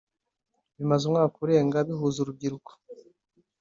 bimaze umwaka urenga bihuza urubyiruko